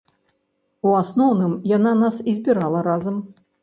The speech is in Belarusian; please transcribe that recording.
У асноўным яна нас і збірала разам.